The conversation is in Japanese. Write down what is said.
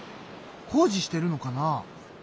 工事してるのかな？